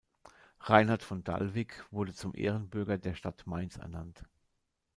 Reinhard von Dalwigk wurde zum Ehrenbürger der Stadt Mainz ernannt.